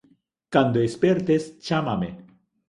Cando espertes, chámame